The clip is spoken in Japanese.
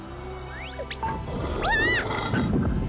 わっ！